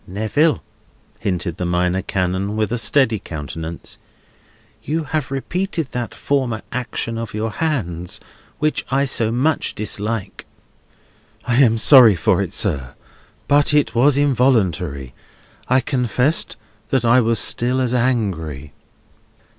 "Neville," hinted the Minor Canon, with a steady countenance, "you have repeated that former action of your hands, which I so much dislike." "I am sorry for it, sir, but it was involuntary. I confessed that I was still as angry."